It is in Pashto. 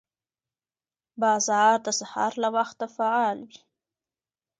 بازار د سهار له وخته فعال وي